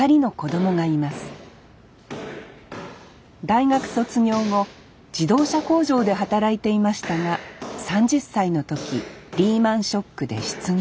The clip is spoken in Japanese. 大学卒業後自動車工場で働いていましたが３０歳の時リーマンショックで失業。